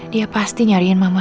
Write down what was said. dia pasti nyariin mamanya